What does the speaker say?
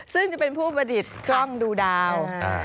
ซึ่งจะเป็นผู้ประดิษฐ์กล้องดูดาว